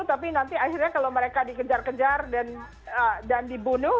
tapi nanti akhirnya kalau mereka dikejar kejar dan dibunuh